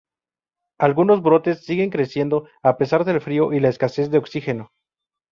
Algunos brotes siguen creciendo a pesar del frío y la escasez de oxígeno.